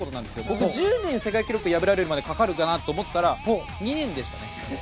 僕、１０年、世界記録が破られるまでかかるかなと思ったら２年でしたね。